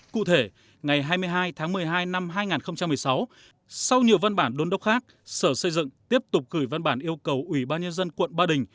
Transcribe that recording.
cụ thể ngày hai mươi hai tháng một mươi hai năm hai nghìn một mươi sáu sau nhiều văn bản đôn đốc khác sở xây dựng tiếp tục gửi văn bản yêu cầu ủy ban nhân dân quận ba đình